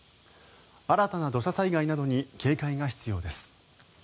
新たな土砂災害などに警戒が必要です。